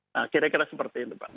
nah kira kira seperti itu pak